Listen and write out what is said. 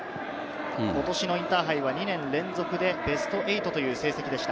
今年のインターハイは２年連続でベスト８という成績でした。